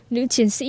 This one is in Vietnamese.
nữ chiến sĩ